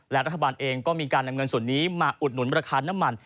และรัฐบาลเองก็มีการนำเงินส่วนนี้มาอุดหนุนราคาน้ำมัน